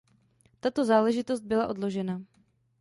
Tato záležitost byla odložena.